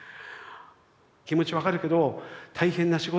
気持ち分かるけど大変な仕事ではある。